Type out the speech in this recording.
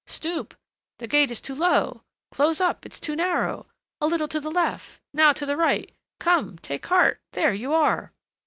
Stoop! The gate is too low! Close up, it's too narrow! a little to the left; now to the right! Come, take heart, there you are!"